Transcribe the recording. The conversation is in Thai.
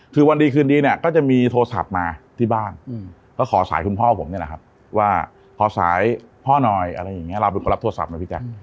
คือวันดีคืนดีเนี่ยก็จะมีโทรศัพท์มาที่บ้านก็ขอสายคุณพ่อผมเนี่ยแหละครับว่าขอสายพ่อหน่อยอะไรอย่างนี้เราเป็นคนรับโทรศัพท์นะพี่แจ๊ค